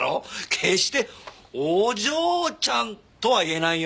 決してお嬢ちゃんとは言えないよ。